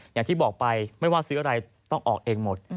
อย่างที่บอกไปไม่ว่าซื้ออะไรต้องออกเองหมด